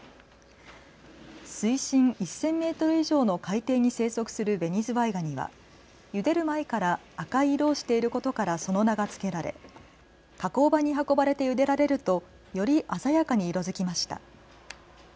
水深１０００メートル以上の海底に生息するベニズワイガニはゆでる前から赤い色をしていることからその名が付けられ加工場に運ばれてゆでられるとより鮮やかに色づきました。